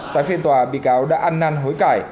tại phiên tòa bị cáo đã ăn năn hối cải